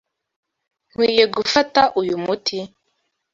Nkwiye gufata uyu muti?